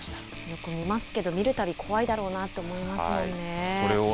よく見ますけど、見るたび怖いだろうなと思いますもんね。